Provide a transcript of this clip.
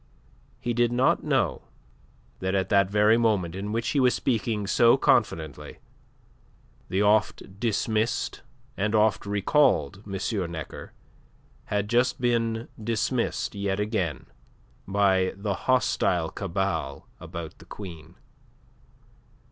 He did not know that at the very moment in which he was speaking so confidently, the oft dismissed and oft recalled M. Necker had just been dismissed yet again by the hostile cabal about the Queen.